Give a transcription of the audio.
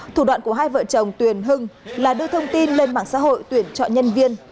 thủ đoạn của hai vợ chồng tuyền hưng là đưa thông tin lên mạng xã hội tuyển chọn nhân viên